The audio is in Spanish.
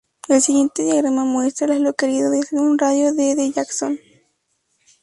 El siguiente diagrama muestra a las localidades en un radio de de Jackson.